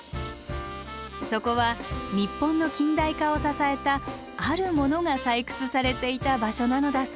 そこは日本の近代化を支えたあるものが採掘されていた場所なのだそう。